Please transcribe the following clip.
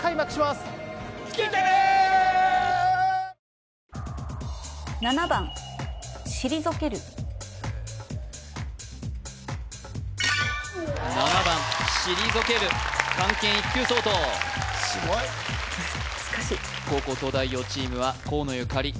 すごい難しい後攻東大王チームは河野ゆかり